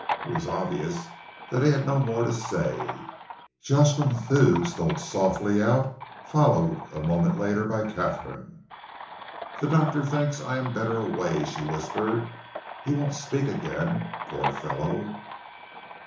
It was obvious that he had no more to say. Jocelyn Thew stole softly out, followed, a moment later, by Katharine. "The doctor thinks I am better away," she whispered. "He won't speak again. Poor fellow!"